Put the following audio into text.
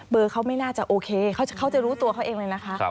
เขาไม่น่าจะโอเคเขาจะรู้ตัวเขาเองเลยนะคะ